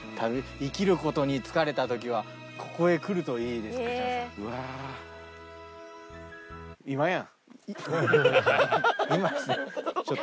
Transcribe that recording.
「生きることに疲れた時はここへ来るといい」ですってチャンさん。